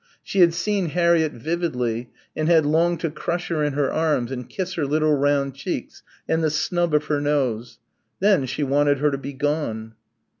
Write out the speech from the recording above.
She had seen Harriett vividly, and had longed to crush her in her arms and kiss her little round cheeks and the snub of her nose. Then she wanted her to be gone.